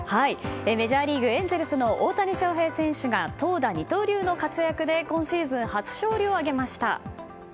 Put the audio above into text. メジャーリーグエンゼルスの大谷翔平選手が投打二刀流の活躍で今シーズン初勝利を挙げました。